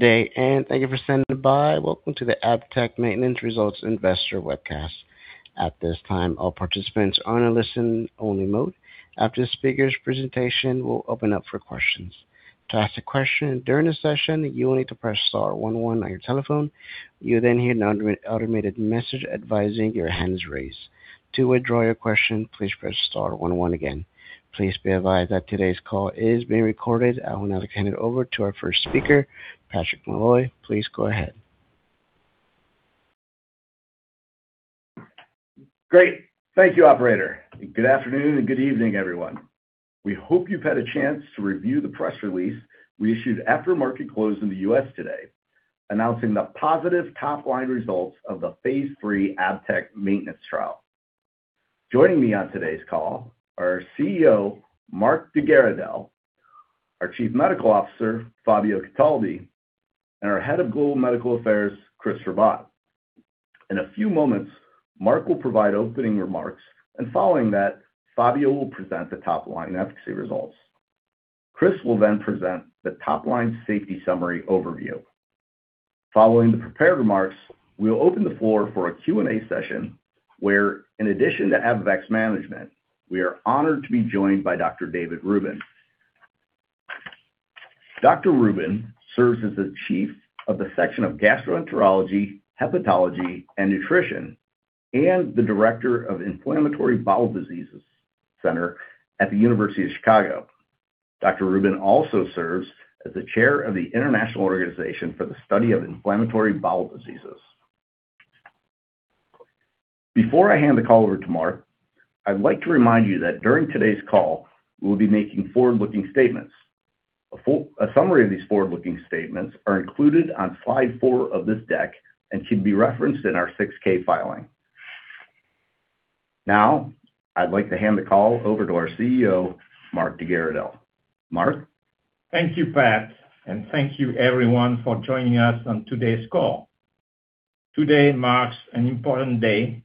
Good day, and thank you for standing by. Welcome to the ABTECT Maintenance Results Investor Webcast. At this time, all participants are on a listen-only mode. After the speakers' presentation, we'll open up for questions. To ask a question during the session, you'll need to press star one one on your telephone. You will then hear an automated message advising your hand is raised. To withdraw your question, please press star one one again. Please be advised that today's call is being recorded. I will now hand it over to our first speaker, Patrick Malloy. Please go ahead. Great. Thank you, operator. Good afternoon and good evening, everyone. We hope you've had a chance to review the press release we issued after market close in the U.S. today announcing the positive top-line results of the phase III ABTECT maintenance trial. Joining me on today's call are CEO, Marc de Garidel; our Chief Medical Officer, Fabio Cataldi; and our Head of Global Medical Affairs, Chris Rabbat. In a few moments, Marc will provide opening remarks, and following that, Fabio will present the top line efficacy results. Chris will then present the top line safety summary overview. Following the prepared remarks, we'll open the floor for a Q&A session, where in addition to Abivax's management, we are honored to be joined by Dr. David Rubin. Dr. Rubin serves as the Chief of the section of Gastroenterology, Hepatology, and Nutrition, and the Director of Inflammatory Bowel Diseases Center at the University of Chicago. Dr. Rubin also serves as the Chair of the International Organization for the Study of Inflammatory Bowel Diseases. Before I hand the call over to Marc, I'd like to remind you that during today's call, we'll be making forward-looking statements. A summary of these forward-looking statements are included on slide four of this deck and can be referenced in our 6-K filing. I'd like to hand the call over to our CEO, Marc de Garidel. Marc? Thank you, Pat, and thank you everyone for joining us on today's call. Today marks an important day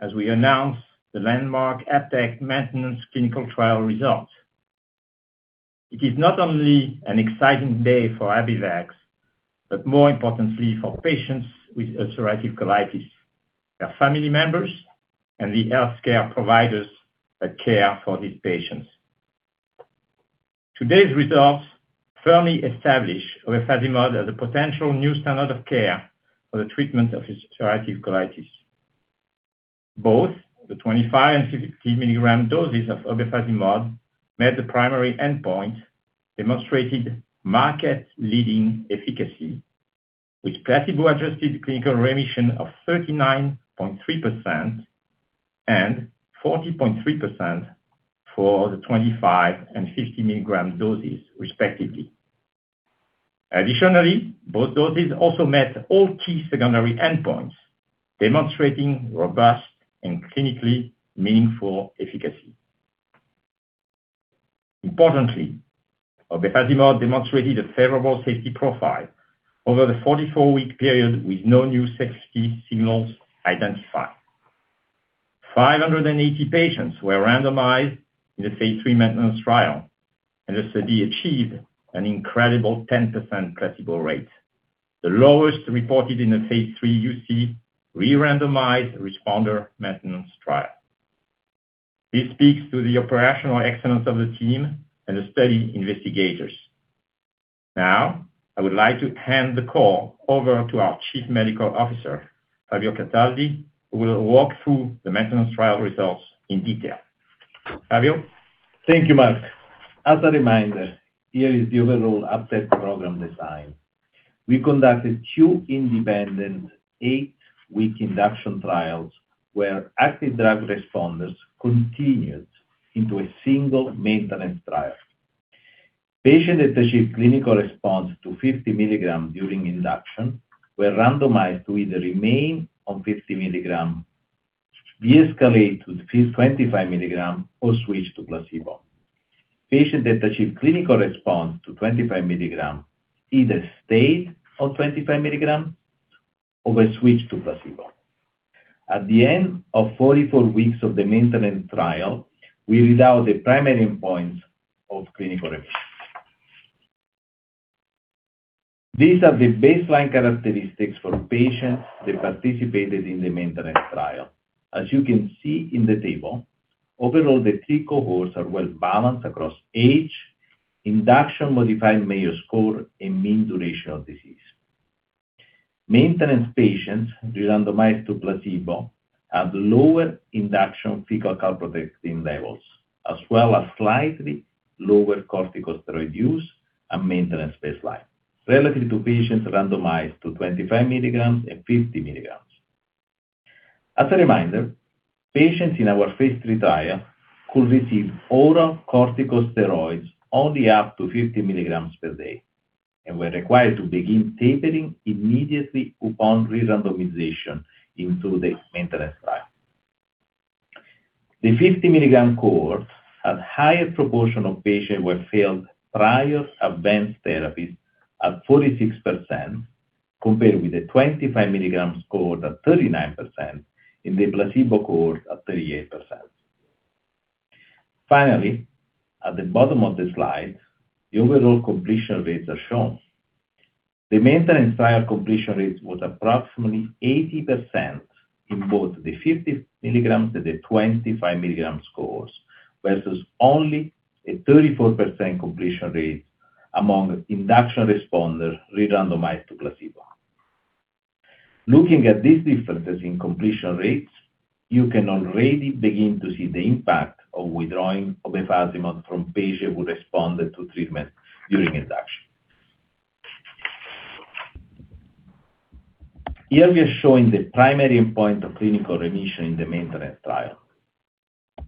as we announce the landmark ABTECT maintenance clinical trial results. It is not only an exciting day for Abivax but more importantly for patients with ulcerative colitis, their family members, and the healthcare providers that care for these patients. Today's results firmly establish obefazimod as a potential new standard of care for the treatment of ulcerative colitis. Both the 25 mg and 50 mg doses of obefazimod met the primary endpoint, demonstrated market-leading efficacy with placebo-adjusted clinical remission of 39.3% and 40.3% for the 25 mg and 50 mg doses respectively. Additionally, both doses also met all key secondary endpoints, demonstrating robust and clinically meaningful efficacy. Importantly, obefazimod demonstrated a favorable safety profile over the 44-week period with no new safety signals identified. 580 patients were randomized in the phase III maintenance trial, and the study achieved an incredible 10% placebo rate, the lowest reported in the phase III UC re-randomized responder maintenance trial. This speaks to the operational excellence of the team and the study investigators. Now, I would like to hand the call over to our Chief Medical Officer, Fabio Cataldi, who will walk through the maintenance trial results in detail. Fabio? Thank you, Marc. As a reminder, here is the overall ABTECT program design. We conducted two independent eight-week induction trials where active drug responders continued into a single maintenance trial. Patients that achieved clinical response to 50 mg during induction were randomized to either remain on 50 mg, deescalate to 25 mg, or switch to placebo. Patients that achieved clinical response to 25 mg either stayed on 25 mg or were switched to placebo. At the end of 44 weeks of the maintenance trial, we read out the primary endpoint of clinical remission. These are the baseline characteristics for patients that participated in the maintenance trial. As you can see in the table, overall the three cohorts are well balanced across age, induction-modified Mayo Score, and mean duration of disease. Maintenance patients randomized to placebo have lower induction fecal calprotectin levels as well as slightly lower corticosteroid use at maintenance baseline, relative to patients randomized to 25 mg and 50 mg. As a reminder, patients in our phase III trial could receive oral corticosteroids only up to 50 mg per day and were required to begin tapering immediately upon re-randomization into the maintenance trial. The 50 mg cohort had higher proportion of patients who had failed prior advanced therapies at 46% compared with the 25 mg cohort at 39%, and the placebo cohort at 38%. At the bottom of the slide, the overall completion rates are shown. The maintenance trial completion rate was approximately 80% in both the 50 mg and the 25 mg cohorts, versus only a 34% completion rate among induction responders re-randomized to placebo. Looking at these differences in completion rates, you can already begin to see the impact of withdrawing obefazimod from patients who responded to treatment during induction. Here we are showing the primary endpoint of clinical remission in the maintenance trial.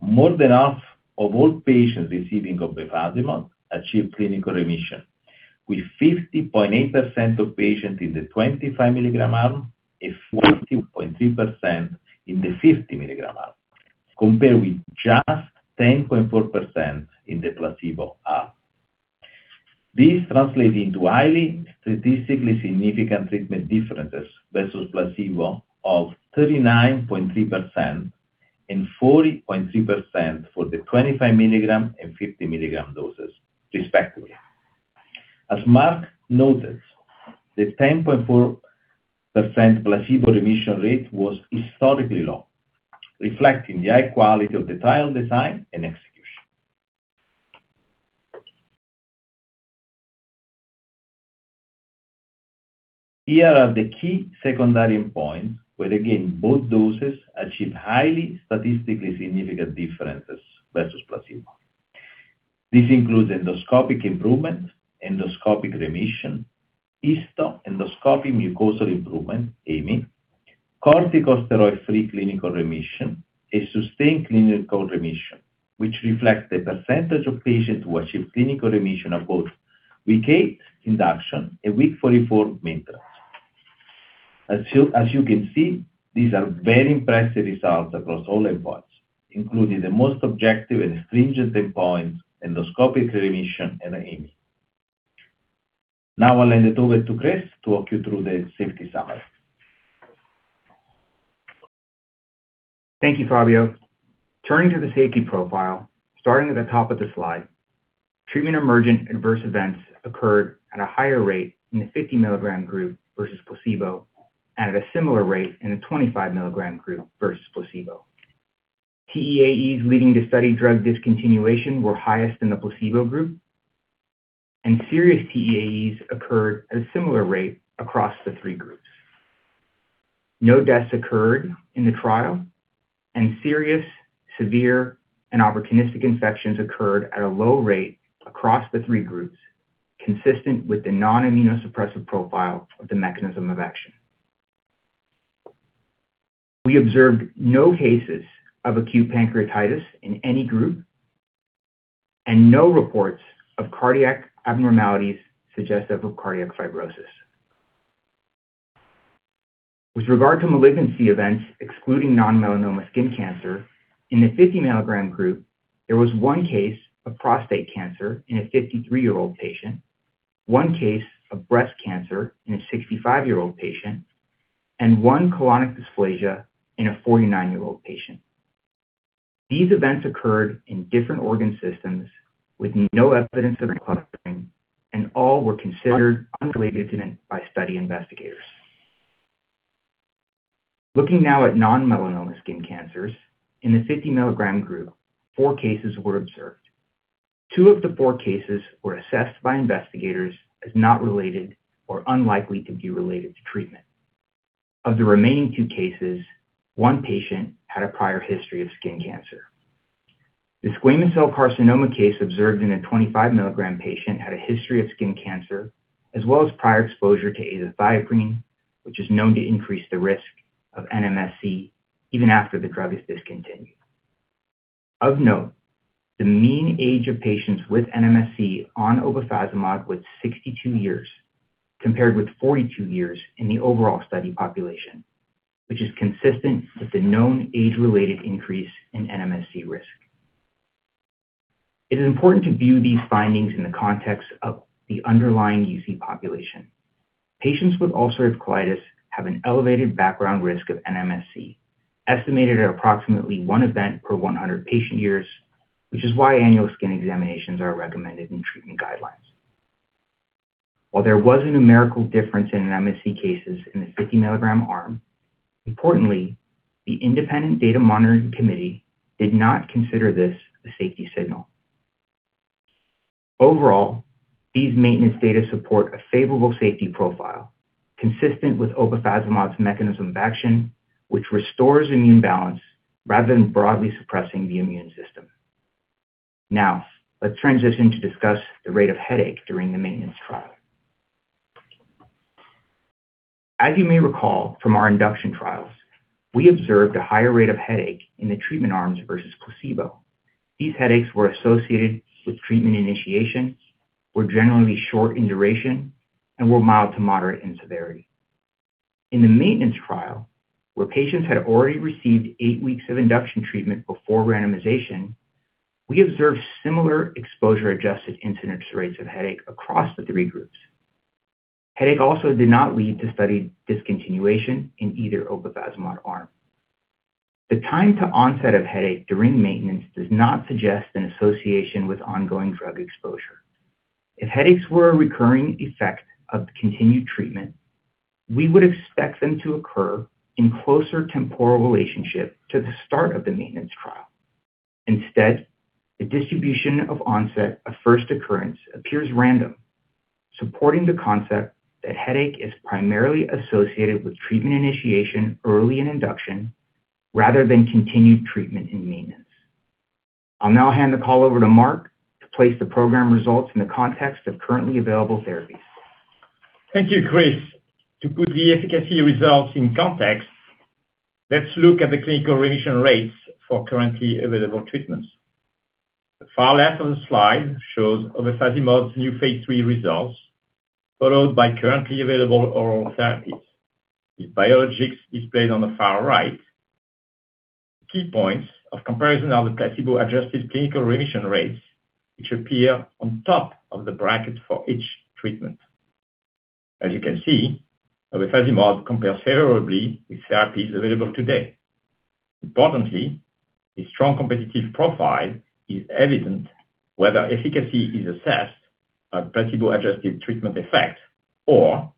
More than half of all patients receiving obefazimod achieved clinical remission, with 50.8% of patients in the 25 mg arm and 40.3% in the 50 mg, compared with just 10.4% in the placebo arm. This translates into highly statistically significant treatment differences versus placebo of 39.3% and 40.3% for the 25 mg and 50 mg doses, respectively. As Marc noted, the 10.4% placebo remission rate was historically low, reflecting the high quality of the trial design and execution. Here are the key secondary endpoints, where again, both doses achieve highly statistically significant differences versus placebo. This includes endoscopic improvement, endoscopic remission, Histo-Endoscopic Mucosal Improvement, HEMI, corticosteroid-free clinical remission, and sustained clinical remission, which reflects the percentage of patients who achieve clinical remission at both week eight induction and week 44 maintenance. As you can see, these are very impressive results across all endpoints, including the most objective and stringent endpoints, endoscopic remission, and HEMI. I'll hand it over to Chris to walk you through the safety summary. Thank you, Fabio. Turning to the safety profile, starting at the top of the slide, treatment-emergent adverse events occurred at a higher rate in the 50-mg group versus placebo and at a similar rate in the 25 mg group versus placebo. TEAEs leading to study drug discontinuation were highest in the placebo group, and serious TEAEs occurred at a similar rate across the three groups. No deaths occurred in the trial, and serious, severe, and opportunistic infections occurred at a low rate across the three groups, consistent with the non-immunosuppressive profile of the mechanism of action. We observed no cases of acute pancreatitis in any group and no reports of cardiac abnormalities suggestive of cardiac fibrosis. With regard to malignancy events, excluding non-melanoma skin cancer, in the 50 mg group, there was one case of prostate cancer in a 53-year-old patient, one case of breast cancer in a 65-year-old patient, and one colonic dysplasia in a 49-year-old patient. These events occurred in different organ systems with no evidence of clustering, and all were considered unrelated by study investigators. Looking now at non-melanoma skin cancers, in the 50-mg group, four cases were observed. Two of the four cases were assessed by investigators as not related or unlikely to be related to treatment. Of the remaining two cases, one patient had a prior history of skin cancer. The squamous cell carcinoma case observed in a 25 mg patient had a history of skin cancer as well as prior exposure to azathioprine, which is known to increase the risk of NMSC even after the drug is discontinued. Of note, the mean age of patients with NMSC on obefazimod was 62 years, compared with 42 years in the overall study population, which is consistent with the known age-related increase in NMSC risk. It is important to view these findings in the context of the underlying UC population. Patients with ulcerative colitis have an elevated background risk of NMSC, estimated at approximately one event per 100 patient years, which is why annual skin examinations are recommended in treatment guidelines. While there was a numerical difference in NMSC cases in the 50 mg arm, importantly, the independent data monitoring committee did not consider this a safety signal. Overall, these maintenance data support a favorable safety profile consistent with obefazimod's mechanism of action, which restores immune balance rather than broadly suppressing the immune system. Now, let's transition to discuss the rate of headache during the maintenance trial. As you may recall from our induction trials, we observed a higher rate of headache in the treatment arms versus placebo. These headaches were associated with treatment initiation, were generally short in duration, and were mild to moderate in severity. In the maintenance trial, where patients had already received eight weeks of induction treatment before randomization, we observed similar exposure-adjusted incidence rates of headache across the three groups. Headache also did not lead to study discontinuation in either obefazimod arm. The time to onset of headache during maintenance does not suggest an association with ongoing drug exposure. If headaches were a recurring effect of continued treatment, we would expect them to occur in closer temporal relationship to the start of the maintenance trial. Instead, the distribution of onset of first occurrence appears random, supporting the concept that headache is primarily associated with treatment initiation early in induction rather than continued treatment in maintenance. I'll now hand the call over to Marc to place the program results in the context of currently available therapies. Thank you, Chris. To put the efficacy results in context, let's look at the clinical remission rates for currently available treatments. The far left of the slide shows obefazimod new phase III results, followed by currently available oral therapies. The biologics displayed on the far right. Key points of comparison are the placebo-adjusted clinical remission rates, which appear on top of the bracket for each treatment. As you can see, obefazimod compares favorably with therapies available today. Importantly, a strong competitive profile is evident whether efficacy is assessed at placebo-adjusted treatment effect or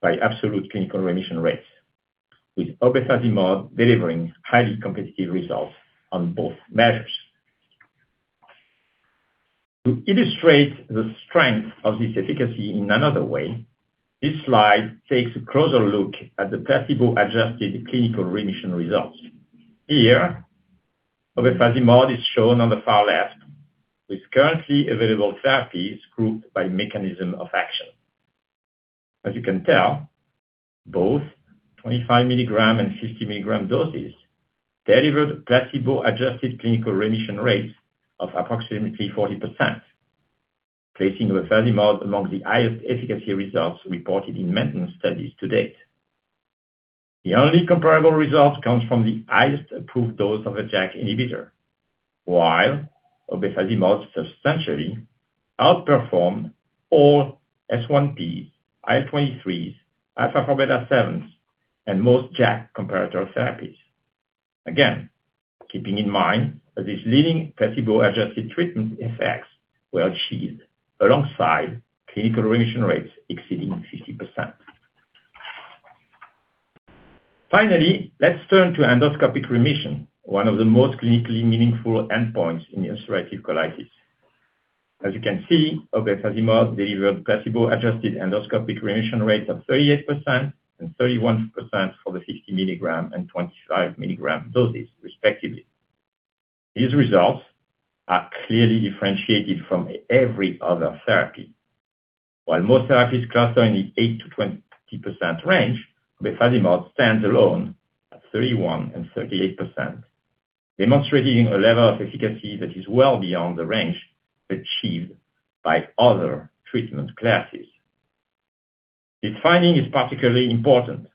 by absolute clinical remission rates, with obefazimod delivering highly competitive results on both measures. To illustrate the strength of this efficacy in another way, this slide takes a closer look at the placebo-adjusted clinical remission results. Here, obefazimod is shown on the far left with currently available therapies grouped by mechanism of action. As you can tell, both 25 mg and 50 mg doses delivered placebo-adjusted clinical remission rates of approximately 40%, placing obefazimod among the highest efficacy results reported in maintenance studies to date. The only comparable results comes from the highest approved dose of a JAK inhibitor. While obefazimod substantially outperformed all S1Ps, IL-23s, alpha-4/beta-7s, most JAK comparator therapies. Again, keeping in mind that these leading placebo-adjusted treatment effects were achieved alongside clinical remission rates exceeding 50%. Finally, let's turn to endoscopic remission, one of the most clinically meaningful endpoints in ulcerative colitis. As you can see, obefazimod delivered placebo-adjusted endoscopic remission rates of 38% and 31% for the 50 mg and 25 mg doses, respectively. These results are clearly differentiated from every other therapy. While most therapies cluster in the 8%-20% range, obefazimod stands alone at 31% and 38%, demonstrating a level of efficacy that is well beyond the range achieved by other treatment classes. This finding is particularly important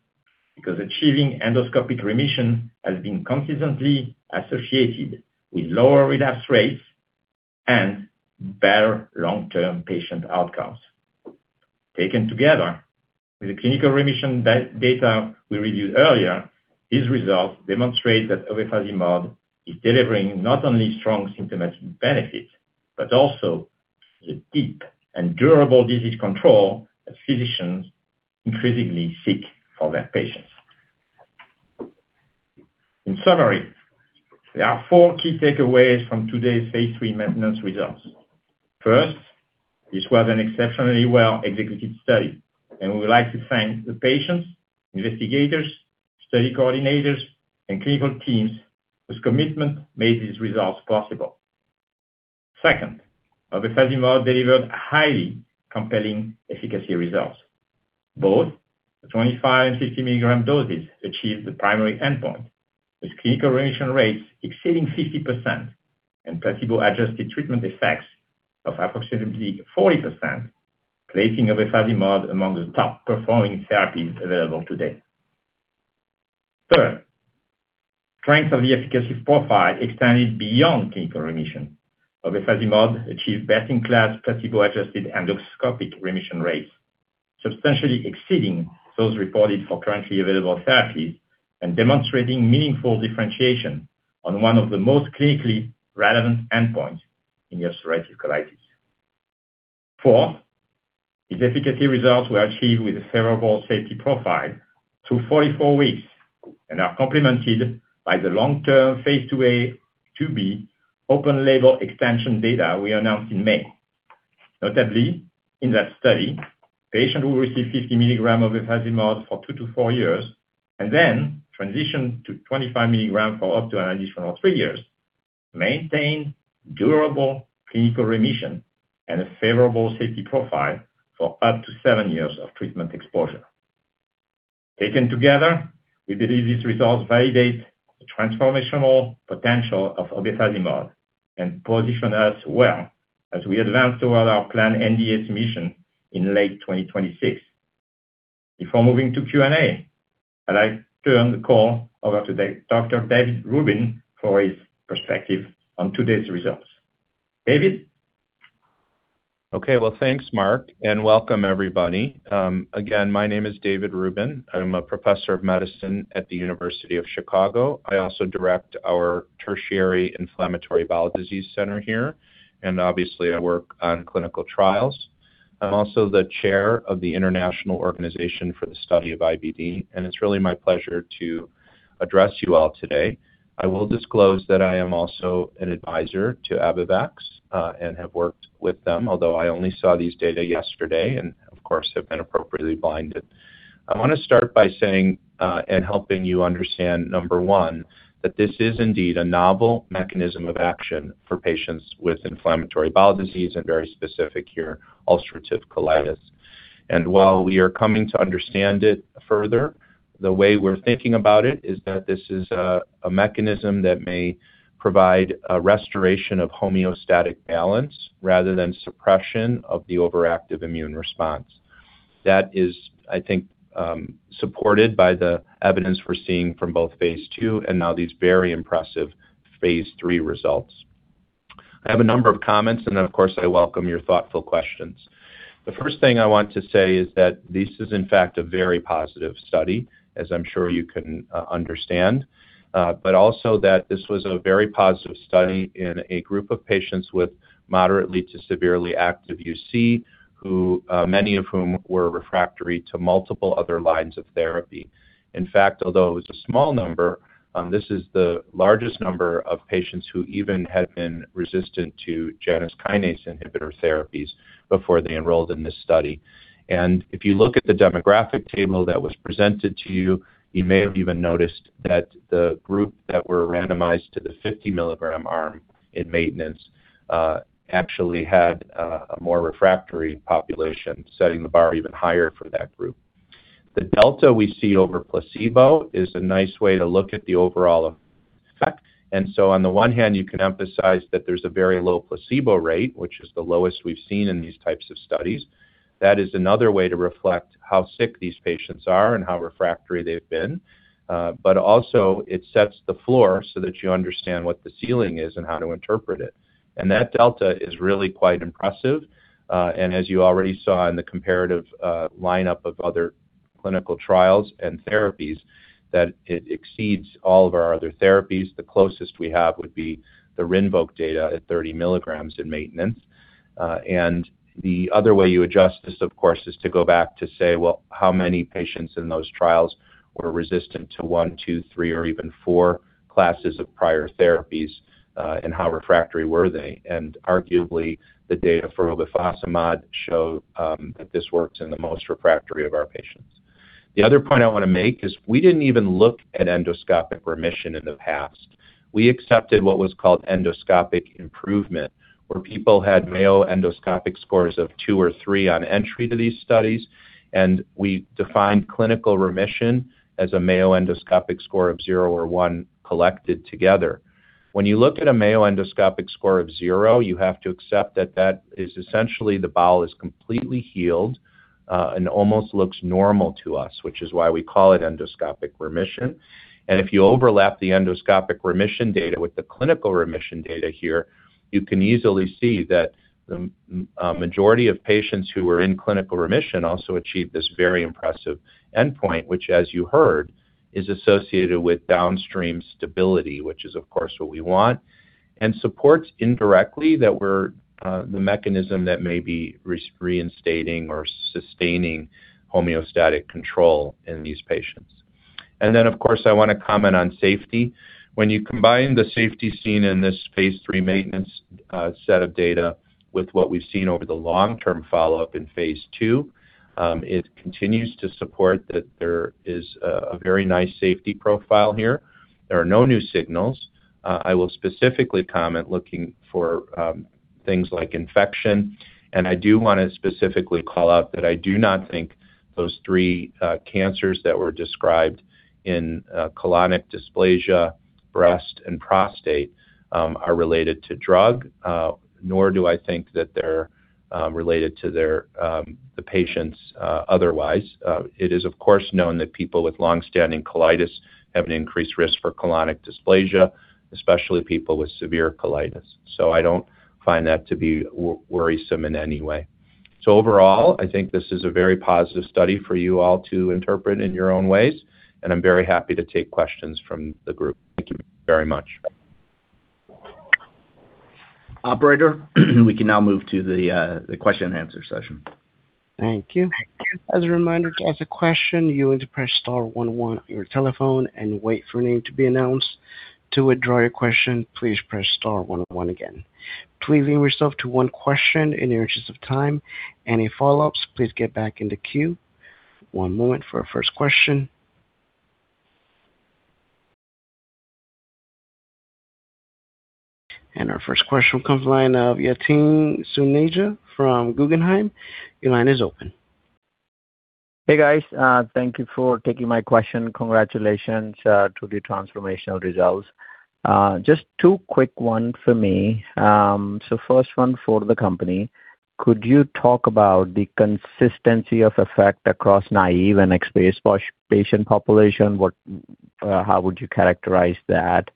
because achieving endoscopic remission has been consistently associated with lower relapse rates and better long-term patient outcomes. Taken together with the clinical remission data we reviewed earlier, these results demonstrate that obefazimod is delivering not only strong symptomatic benefits, but also the deep and durable disease control that physicians increasingly seek for their patients. In summary, there are four key takeaways from today's phase III maintenance results. First, this was an exceptionally well-executed study, and we would like to thank the patients, investigators, study coordinators, and clinical teams whose commitment made these results possible. Second, obefazimod delivered highly compelling efficacy results. Both the 25 mg and 50 mg doses achieved the primary endpoint, with clinical remission rates exceeding 50% and placebo-adjusted treatment effects of approximately 40%, placing obefazimod among the top-performing therapies available today. Third, strength of the efficacy profile extended beyond clinical remission. Obefazimod achieved best-in-class placebo-adjusted endoscopic remission rates, substantially exceeding those reported for currently available therapies and demonstrating meaningful differentiation on one of the most clinically relevant endpoints in ulcerative colitis. Four, these efficacy results were achieved with a favorable safety profile through 44 weeks and are complemented by the long-term phase IIa/IIb open-label extension data we announced in May. Notably, in that study, patients who received 50 mg obefazimod for two to four years and then transitioned to 25 mg for up to an additional three years, maintained durable clinical remission and a favorable safety profile for up to seven years of treatment exposure. Taken together, we believe these results validate the transformational potential of obefazimod and position us well as we advance toward our planned NDA submission in late 2026. Before moving to Q&A, I'd like to turn the call over to Dr. David Rubin for his perspective on today's results. David? Okay. Well, thanks, Marc, welcome everybody. Again, my name is David Rubin. I'm a professor of medicine at the University of Chicago. I also direct our tertiary inflammatory bowel disease center here, and obviously, I work on clinical trials. I'm also the chair of the International Organization for the Study of IBD, and it's really my pleasure to address you all today. I will disclose that I am also an advisor to Abivax, and have worked with them. Although I only saw these data yesterday and, of course, have been appropriately blinded. I want to start by saying, and helping you understand, number one, that this is indeed a novel mechanism of action for patients with inflammatory bowel disease and very specific here, ulcerative colitis. While we are coming to understand it further, the way we're thinking about it is that this is a mechanism that may provide a restoration of homeostatic balance rather than suppression of the overactive immune response. That is, I think, supported by the evidence we're seeing from both phase II and now these very impressive phase III results. I have a number of comments and then, of course, I welcome your thoughtful questions. The first thing I want to say is that this is, in fact, a very positive study, as I'm sure you can understand. Also that this was a very positive study in a group of patients with moderately to severely active UC, many of whom were refractory to multiple other lines of therapy. In fact, although it was a small number, this is the largest number of patients who even had been resistant to Janus kinase inhibitor therapies before they enrolled in this study. If you look at the demographic table that was presented to you may have even noticed that the group that were randomized to the 50 mg arm in maintenance, actually had a more refractory population, setting the bar even higher for that group. The delta we see over placebo is a nice way to look at the overall effect. On the one hand, you can emphasize that there's a very low placebo rate, which is the lowest we've seen in these types of studies. That is another way to reflect how sick these patients are and how refractory they've been. Also it sets the floor so that you understand what the ceiling is and how to interpret it. That delta is really quite impressive. As you already saw in the comparative lineup of other clinical trials and therapies, that it exceeds all of our other therapies. The closest we have would be the Rinvoq data at 30 mg in maintenance. The other way you adjust this, of course, is to go back to say, "Well, how many patients in those trials were resistant to one, two, three, or even four classes of prior therapies, and how refractory were they?" Arguably, the data for obefazimod showed that this works in the most refractory of our patients. The other point I want to make is we didn't even look at endoscopic remission in the past. We accepted what was called endoscopic improvement, where people had Mayo endoscopic scores of two or three on entry to these studies, and we defined clinical remission as a Mayo endoscopic score of zero or one collected together. When you look at a Mayo endoscopic score of zero, you have to accept that that is essentially the bowel is completely healed, and almost looks normal to us, which is why we call it endoscopic remission. If you overlap the endoscopic remission data with the clinical remission data here, you can easily see that the majority of patients who were in clinical remission also achieved this very impressive endpoint, which as you heard, is associated with downstream stability, which is, of course, what we want, and supports indirectly the mechanism that may be reinstating or sustaining homeostatic control in these patients. Of course, I want to comment on safety. When you combine the safety seen in this phase III maintenance set of data with what we've seen over the long-term follow-up in phase II, it continues to support that there is a very nice safety profile here. There are no new signals. I will specifically comment looking for things like infection, and I do want to specifically call out that I do not think those three cancers that were described in colonic dysplasia, breast, and prostate, are related to drug. Nor do I think that they're related to the patients otherwise. It is, of course, known that people with long-standing colitis have an increased risk for colonic dysplasia, especially people with severe colitis. I don't find that to be worrisome in any way. Overall, I think this is a very positive study for you all to interpret in your own ways, and I am very happy to take questions from the group. Thank you very much. Operator, we can now move to the question and answer session. Thank you. As a reminder, to ask a question, you need to press star one one on your telephone and wait for your name to be announced. To withdraw your question, please press star one one again. Please limit yourself to one question in the interest of time. Any follow-ups, please get back in the queue. One moment for our first question. Our first question comes from the line of Yatin Suneja from Guggenheim. Your line is open. Hey, guys. Thank you for taking my question. Congratulations to the transformational results. Just two quick one for me. First one for the company. Could you talk about the consistency of effect across naive and experienced patient population? How would you characterize that?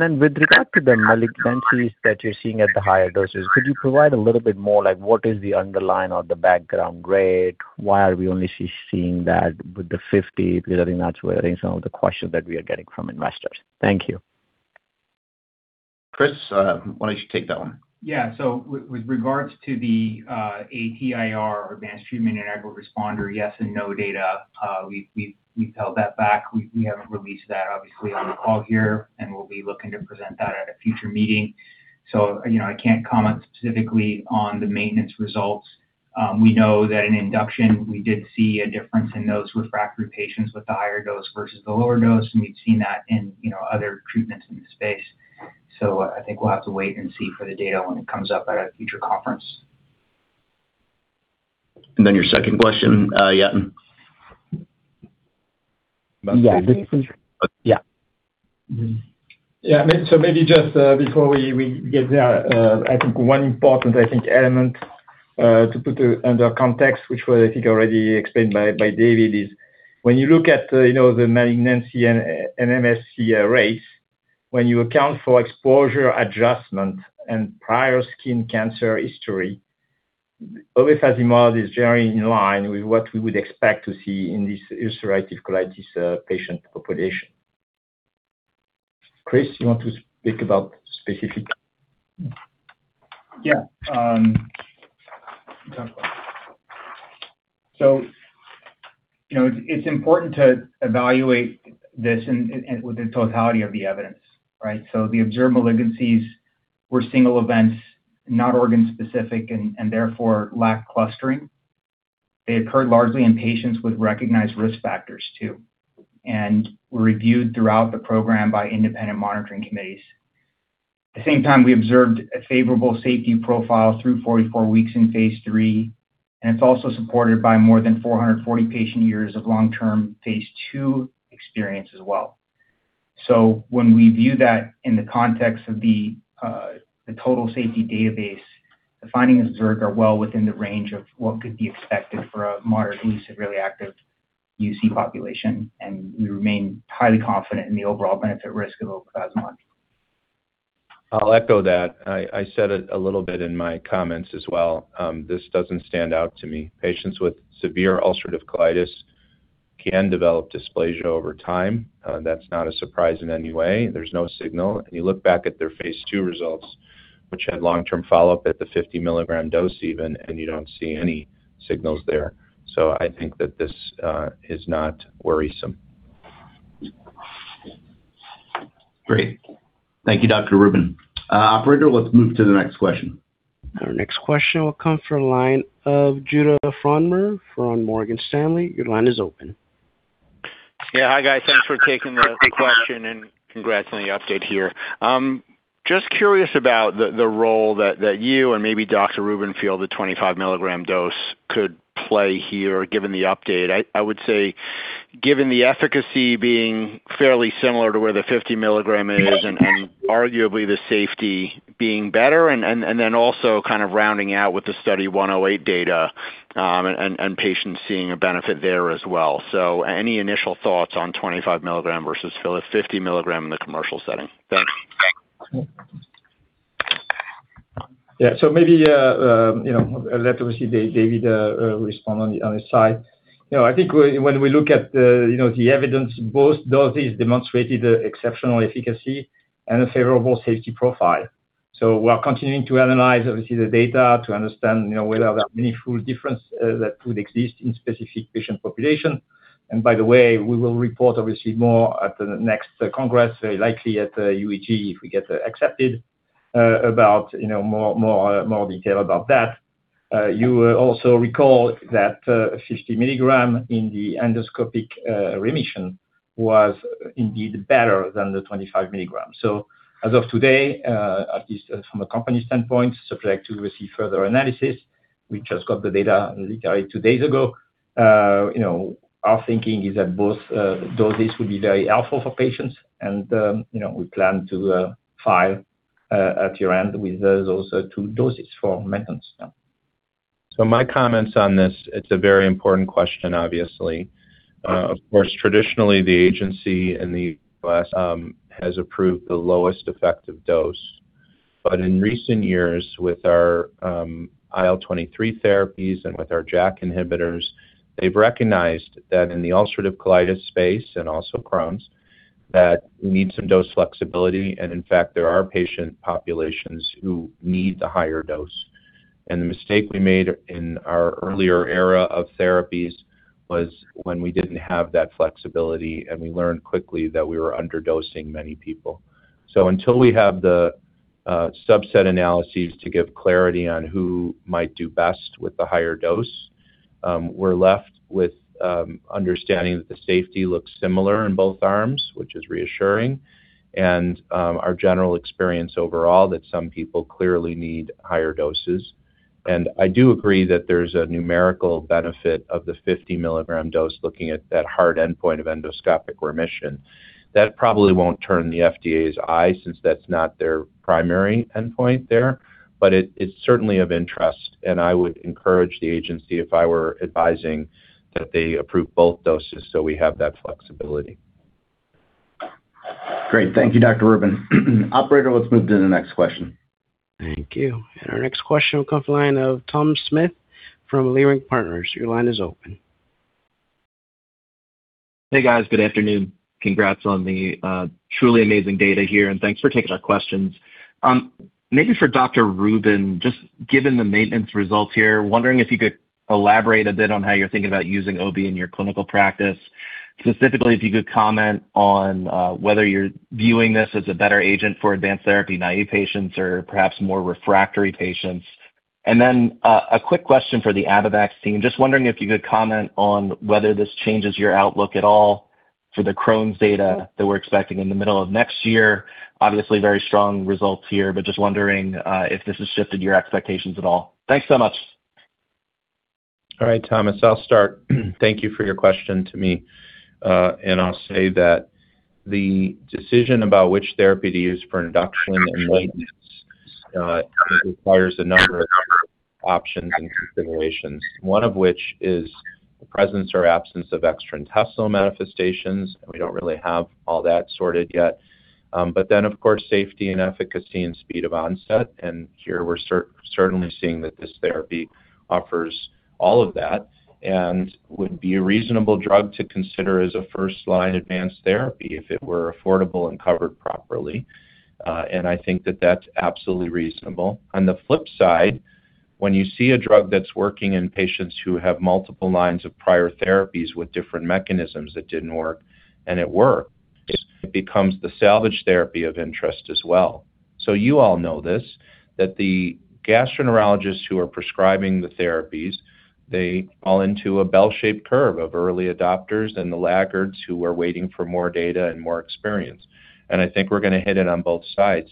With regard to the malignancies that you're seeing at the higher doses, could you provide a little bit more, like what is the underlying or the background rate? Why are we only seeing that with the 50 mg? I think that's where I think some of the questions that we are getting from investors. Thank you. Chris, why don't you take that one? Yeah. With regards to the ATIR or advanced treatment-naïve responder yes and no data, we've held that back. We haven't released that, obviously, on the call here, and we'll be looking to present that at a future meeting. I can't comment specifically on the maintenance results. We know that in induction, we did see a difference in those refractory patients with the higher dose versus the lower dose, and we've seen that in other treatments in the space. I think we'll have to wait and see for the data when it comes up at a future conference. Your second question, Yatin? Yeah. Yeah. Maybe just before we get there, I think one important element to put under context, which was, I think already explained by David, is when you look at the malignancy and NMSC rates, when you account for exposure adjustment and prior skin cancer history, obefazimod is very in line with what we would expect to see in this ulcerative colitis patient population. Chris, you want to speak about specific? It's important to evaluate this with the totality of the evidence, right? The observed malignancies were single events, not organ-specific, and therefore lack clustering. They occurred largely in patients with recognized risk factors, too, and were reviewed throughout the program by independent monitoring committees. At the same time, we observed a favorable safety profile through 44 weeks in phase III, and it's also supported by more than 440 patient years of long-term phase II experience as well. When we view that in the context of the total safety database, the findings observed are well within the range of what could be expected for a moderately to severely active UC population, and we remain highly confident in the overall benefit risk of obefazimod. I'll echo that. I said it a little bit in my comments as well. This doesn't stand out to me. Patients with severe ulcerative colitis can develop dysplasia over time. That's not a surprise in any way. There's no signal. You look back at their phase II results, which had long-term follow-up at the 50 mg dose even, you don't see any signals there. I think that this is not worrisome. Great. Thank you, Dr. Rubin. Operator, let's move to the next question. Our next question will come from the line of Judah Frommer from Morgan Stanley. Your line is open. Hi, guys. Thanks for taking the question and congrats on the update here. Just curious about the role that you or maybe Dr. Rubin feel the 25 mg dose could play here, given the update. I would say given the efficacy being fairly similar to where the 50 mg is and arguably the safety being better and then also kind of rounding out with the Study 108 data and patients seeing a benefit there as well. Any initial thoughts on 25 mg versus 50 mg in the commercial setting? Thanks. Yeah. Maybe, I'll let obviously David respond on his side. I think when we look at the evidence, both doses demonstrated exceptional efficacy and a favorable safety profile. We are continuing to analyze, obviously, the data to understand whether that meaningful difference that would exist in specific patient population. By the way, we will report obviously more at the next congress, very likely at UEG Week, if we get accepted, about more detail about that. You will also recall that 50 mg in the endoscopic remission was indeed better than the 25 mg. As of today, at least from a company standpoint, subject to receive further analysis, we just got the data literally two days ago. Our thinking is that both doses will be very helpful for patients and we plan to file at the end with those two doses for maintenance. My comments on this, it's a very important question, obviously. Of course, traditionally, the agency in the U.S. has approved the lowest effective dose. In recent years with our IL-23 therapies and with our JAK inhibitors, they've recognized that in the ulcerative colitis space and also Crohn's, that we need some dose flexibility. In fact, there are patient populations who need the higher dose. The mistake we made in our earlier era of therapies was when we didn't have that flexibility and we learned quickly that we were underdosing many people. Until we have the subset analyses to give clarity on who might do best with the higher dose, we're left with understanding that the safety looks similar in both arms, which is reassuring, and our general experience overall that some people clearly need higher doses. I do agree that there's a numerical benefit of the 50 mg dose looking at that hard endpoint of endoscopic remission. That probably won't turn the FDA's eye since that's not their primary endpoint there, but it's certainly of interest, and I would encourage the agency, if I were advising, that they approve both doses so we have that flexibility. Great. Thank you, Dr. Rubin. Operator, let's move to the next question. Thank you. Our next question will come from the line of Tom Smith from Leerink Partners. Your line is open. Hey, guys. Good afternoon. Congrats on the truly amazing data here, and thanks for taking our questions. Maybe for Dr. Rubin, just given the maintenance results here, wondering if you could elaborate a bit on how you're thinking about using obefazimod in your clinical practice. Specifically, if you could comment on whether you're viewing this as a better agent for advanced therapy-naive patients or perhaps more refractory patients. A quick question for the Abivax team. Just wondering if you could comment on whether this changes your outlook at all for the Crohn's data that we're expecting in the middle of next year. Obviously, very strong results here, but just wondering if this has shifted your expectations at all. Thanks so much. All right, Tom, I'll start. Thank you for your question to me. I'll say that the decision about which therapy to use for induction and maintenance requires a number of options and considerations, one of which is the presence or absence of extraintestinal manifestations. We don't really have all that sorted yet. Of course, safety and efficacy and speed of onset. Here we're certainly seeing that this therapy offers all of that and would be a reasonable drug to consider as a first-line advanced therapy if it were affordable and covered properly. I think that that's absolutely reasonable. On the flip side, when you see a drug that's working in patients who have multiple lines of prior therapies with different mechanisms that didn't work, and it worked, it becomes the salvage therapy of interest as well. You all know this, that the gastroenterologists who are prescribing the therapies, they fall into a bell-shaped curve of early adopters and the laggards who are waiting for more data and more experience. I think we're going to hit it on both sides,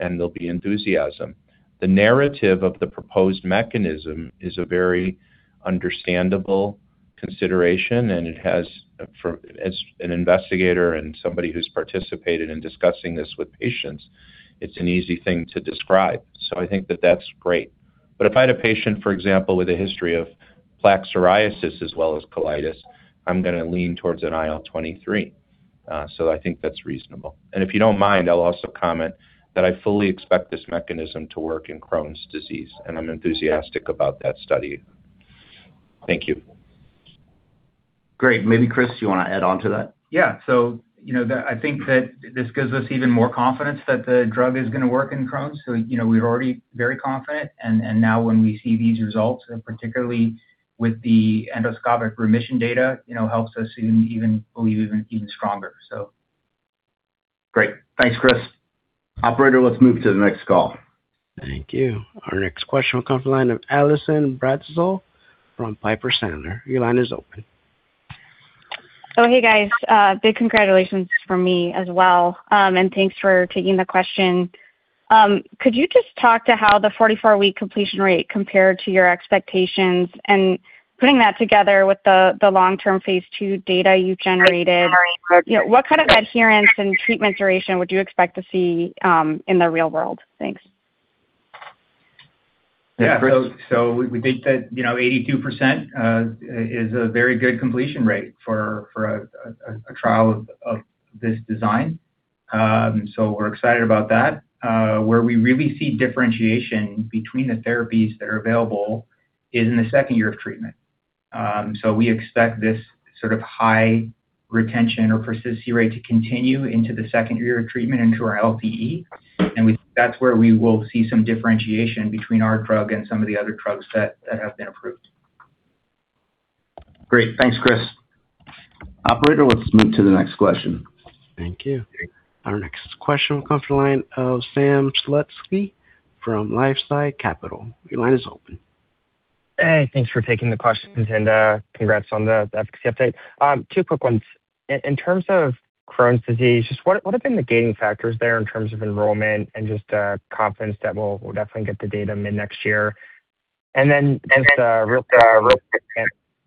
and there'll be enthusiasm. The narrative of the proposed mechanism is a very understandable consideration, and as an investigator and somebody who's participated in discussing this with patients, it's an easy thing to describe. I think that that's great. If I had a patient, for example, with a history of plaque psoriasis as well as colitis, I'm going to lean towards an IL-23. I think that's reasonable. If you don't mind, I'll also comment that I fully expect this mechanism to work in Crohn's disease, and I'm enthusiastic about that study. Thank you. Great. Maybe, Chris, you want to add on to that? Yeah. I think that this gives us even more confidence that the drug is going to work in Crohn's. We're already very confident, and now when we see these results, and particularly with the endoscopic remission data, helps us believe even stronger. Great. Thanks, Chris. Operator, let's move to the next call. Thank you. Our next question will come from the line of Allison Bratzel from Piper Sandler. Your line is open. Hey, guys. Big congratulations from me as well, and thanks for taking the question. Could you just talk to how the 44-week completion rate compared to your expectations and putting that together with the long-term phase II data you generated? What kind of adherence and treatment duration would you expect to see in the real world? Thanks. Yeah. Chris? We think that 82% is a very good completion rate for a trial of this design. We're excited about that. Where we really see differentiation between the therapies that are available is in the second year of treatment. We expect this sort of high retention or persistency rate to continue into the second year of treatment into our OLE. That's where we will see some differentiation between our drug and some of the other drugs that have been approved. Great. Thanks, Chris. Operator, let's move to the next question. Thank you. Our next question will come from the line of Sam Slutsky from LifeSci Capital. Your line is open. Hey, thanks for taking the questions, and congrats on the efficacy update. Two quick ones. In terms of Crohn's Disease, just what have been the gating factors there in terms of enrollment and just confidence that we'll definitely get the data mid-next year? Then just the real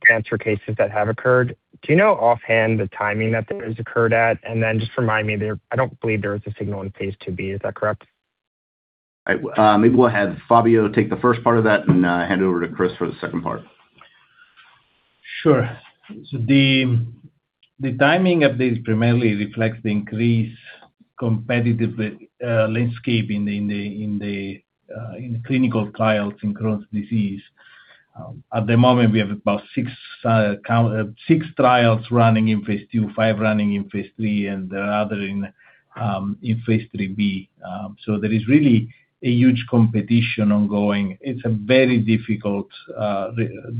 cancer cases that have occurred, do you know offhand the timing that those occurred at? Then just remind me, I don't believe there was a signal in phase II-B, is that correct? All right. Maybe we'll have Fabio take the first part of that and hand it over to Chris for the second part. Sure. The timing of this primarily reflects the increased competitive landscape in clinical trials in Crohn's disease. At the moment, we have about 6 trials running in phase II, five running in phase III, and the other in phase III-B. There is really a huge competition ongoing. It's a very difficult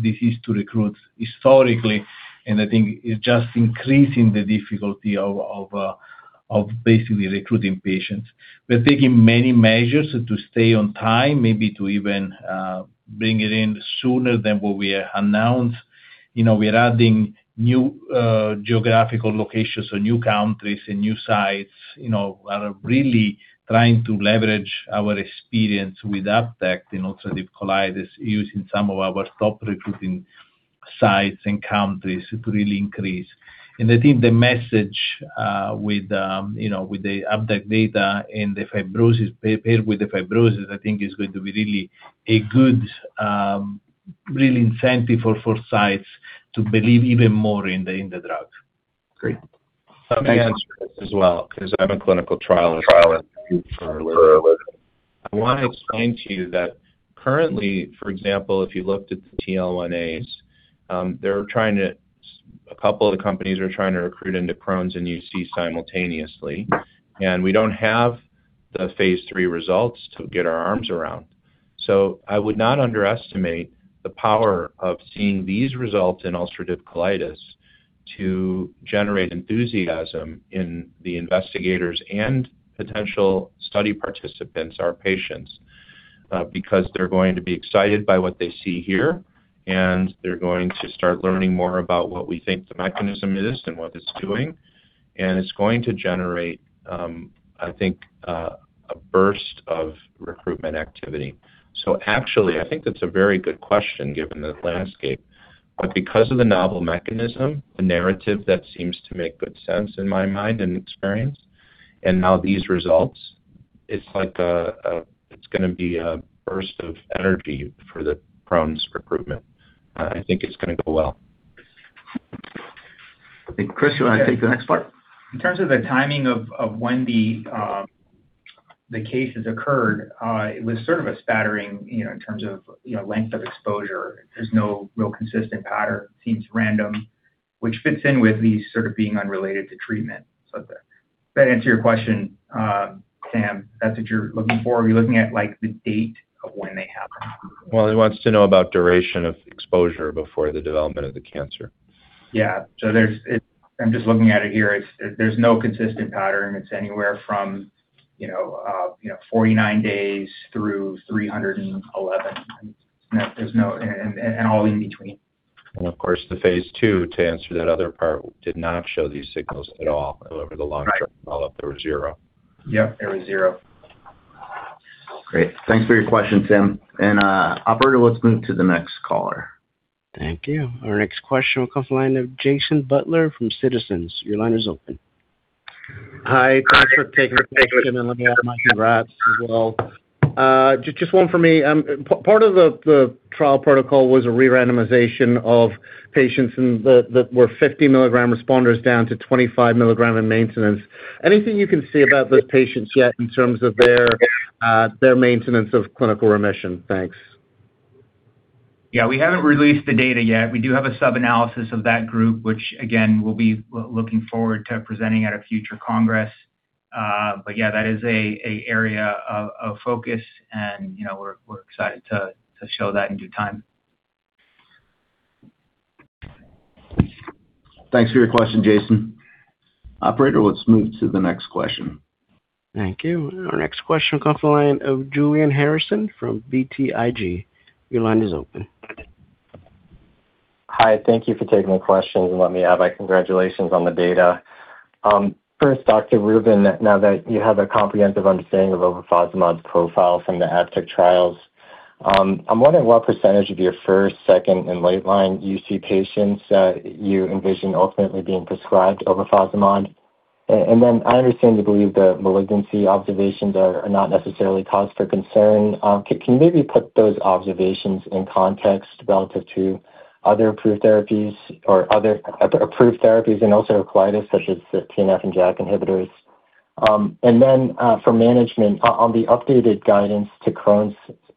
disease to recruit historically, and I think it's just increasing the difficulty of basically recruiting patients. We're taking many measures to stay on time, maybe to even bring it in sooner than what we announced. We're adding new geographical locations, so new countries and new sites. We are really trying to leverage our experience with ABTECT in ulcerative colitis using some of our top recruiting sites and countries to really increase. I think the message with the ABTECT data paired with the fibrosis real incentive for sites to believe even more in the drug. Great. Let me answer this as well, because I'm a clinical trial expert. I want to explain to you that currently, for example, if you looked at the TL1As, a couple of the companies are trying to recruit into Crohn's and UC simultaneously, and we don't have the phase III results to get our arms around. I would not underestimate the power of seeing these results in ulcerative colitis to generate enthusiasm in the investigators and potential study participants, our patients, because they're going to be excited by what they see here, and they're going to start learning more about what we think the mechanism is and what it's doing. It's going to generate, I think, a burst of recruitment activity. Actually, I think that's a very good question given the landscape. Because of the novel mechanism, the narrative that seems to make good sense in my mind and experience, and now these results, it's going to be a burst of energy for the Crohn's recruitment. I think it's going to go well. I think, Chris, you want to take the next part? In terms of the timing of when the cases occurred, it was sort of a spattering in terms of length of exposure. There is no real consistent pattern. It seems random, which fits in with these sort of being unrelated to treatment. Does that answer your question, Sam? If that is what you are looking for. Are you looking at the date of when they happened? Well, he wants to know about duration of exposure before the development of the cancer. Yeah. I'm just looking at it here. There's no consistent pattern. It's anywhere from 49 days through 311 days. All in between. Of course, the phase II, to answer that other part, did not show these signals at all over the long-term follow-up. They were zero. Yep, they were zero. Great. Thanks for your question, Sam. Operator, let's move to the next caller. Thank you. Our next question will come from the line of Jason Butler from Citizens. Your line is open. Hi. Thanks for taking the question. Let me add my congrats as well. Just one for me. Part of the trial protocol was a re-randomization of patients that were 50 mg responders down to 25 mg in maintenance. Anything you can say about those patients yet in terms of their maintenance of clinical remission? Thanks. Yeah. We haven't released the data yet. We do have a sub-analysis of that group, which again, we'll be looking forward to presenting at a future congress. Yeah, that is an area of focus, and we're excited to show that in due time. Thanks for your question, Jason. Operator, let's move to the next question. Thank you. Our next question will come from the line of Julian Harrison from BTIG. Your line is open. Hi. Thank you for taking the question, and let me add my congratulations on the data. First, Dr. Rubin, now that you have a comprehensive understanding of obefazimod's profile from the ABTECT trials, I'm wondering what percentage of your first, second, and late-line UC patients you envision ultimately being prescribed obefazimod. I understand you believe the malignancy observations are not necessarily cause for concern. Can you maybe put those observations in context relative to other approved therapies and also colitis, such as the TNF and JAK inhibitors? For management on the updated guidance to Crohn's